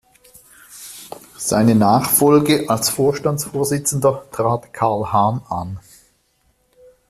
Seine Nachfolge als Vorstandsvorsitzender trat Carl Hahn an.